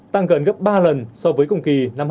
tăng gần gấp ba lần so với cùng kỳ năm hai nghìn hai mươi một